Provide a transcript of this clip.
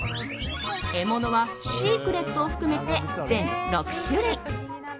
獲物はシークレットを含めて全６種類。